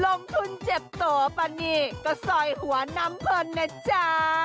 ลงทุนเจ็บตัวปะนี่ก็ซอยหัวน้ำเพลินนะจ๊ะ